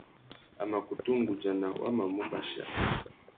A mà kutu nʼgudzana wa mà mù bachia.